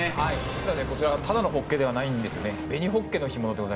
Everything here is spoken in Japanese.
実はねこちらはただのホッケではないんですね。